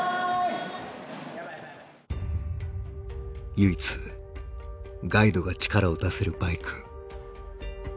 唯一ガイドが力を出せるバイク。